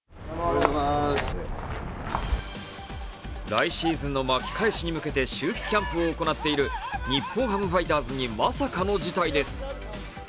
来シーズンの巻き返しに向けて秋季キャンプを行っている日本ハムファイターズにまさかの事態です。